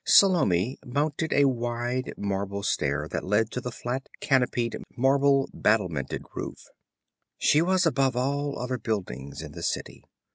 Salome mounted a wide marble stair that led to the flat, canopied, marble battlemented roof. She was above all other buildings in the city.